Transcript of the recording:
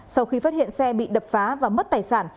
sau khi phát hiện xe bị đập phá và mất tài sản